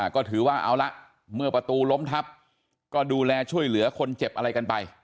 ก็ถือว่าเอาละเมื่อประตูล้มทับก็ดูแลช่วยเหลือคนเจ็บอะไรกันไป